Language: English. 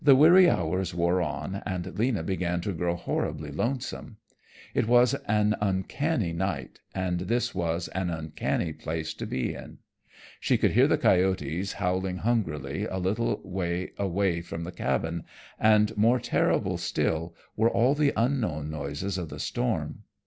The weary hours wore on and Lena began to grow horribly lonesome. It was an uncanny night and this was an uncanny place to be in. She could hear the coyotes howling hungrily a little way from the cabin, and more terrible still were all the unknown noises of the storm.